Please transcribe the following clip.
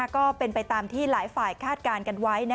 ก็เป็นไปตามที่หลายฝ่ายคาดการณ์กันไว้